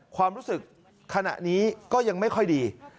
ความรู้สึกขณะนี้ก็ยังไม่ค่อยดี